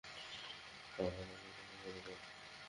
আমার রাস্তা থেকে সরে যাও।